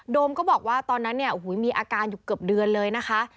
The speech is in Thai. ก็บอกว่าตอนนั้นเนี่ยมีอาการอยู่เกือบเดือนเลยนะคะ